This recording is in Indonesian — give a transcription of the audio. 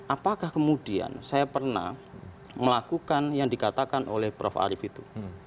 apakah kemudian saya pernah melakukan yang dikatakan oleh prof arief itu